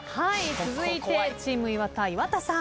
続いてチーム岩田岩田さん。